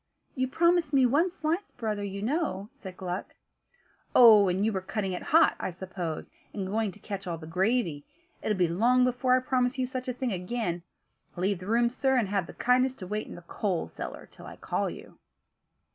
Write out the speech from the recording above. "You promised me one slice, brother, you know," said Gluck. "Oh! and you were cutting it hot, I suppose, and going to catch all the gravy. It'll be long before I promise you such a thing again. Leave the room, sir; and have the kindness to wait in the coal cellar till I call you."